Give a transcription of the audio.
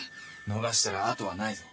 逃したらあとはないぞ